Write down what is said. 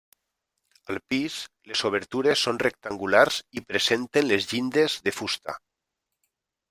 Al pis, les obertures són rectangulars i presenten les llindes de fusta.